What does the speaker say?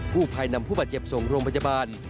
ผู้ภัยนำผู้บาดเจ็บส่งโรงพยาบาล